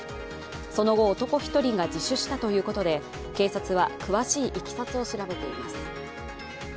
その後、男１人が自首したということで警察は詳しいいきさつを調べています。